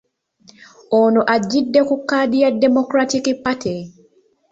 Ono ajjidde ku kkaadi ya Democratic Party.